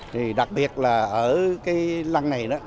thì đặc biệt là ở cái lăn này đó